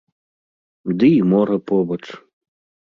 Ды і мора побач.